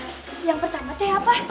yang pertama saya apa